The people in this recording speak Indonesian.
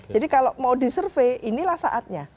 jadi kalau mau disurvey inilah saatnya